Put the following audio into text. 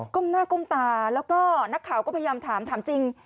้มหน้าก้มตาแล้วก็นักข่าวก็พยายามถามถามจริง